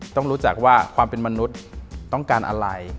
ต้องรู้จักว่าความเป็นมนุษย์ต้องการอะไร